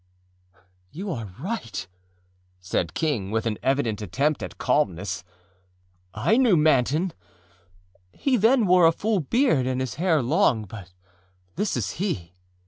â âYou are right,â said King, with an evident attempt at calmness: âI knew Manton. He then wore a full beard and his hair long, but this is he.